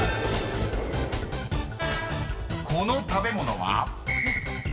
［この食べ物は？］